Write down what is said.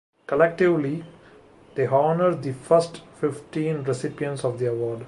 Collectively, they honor the first fifteen recipients of the award.